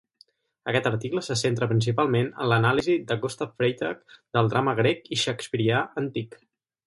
Aquest article se centra principalment en l'anàlisi de Gustav Freytag del drama grec i shakespearià antic.